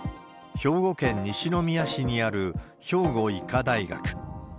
兵庫県西宮市にある兵庫医科大学。